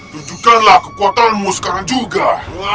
tunjukkanlah kekuatanmu sekarang juga